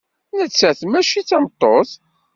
Nettat mačči d tameṭṭut.